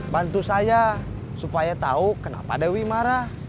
bantu saya supaya tahu kenapa dewi marah